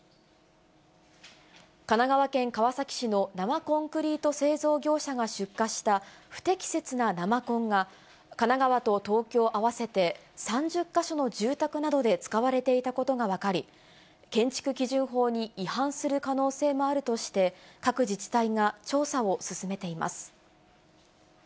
神奈川県川崎市の生コンクリート製造業者が出荷した、不適切な生コンが、神奈川と東京、合わせて３０か所の住宅などで使われていたことが分かり、建築基準法に違反する可能性もあるとして、各自治体が調査を進めています。